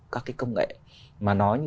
các cái công nghệ mà nói như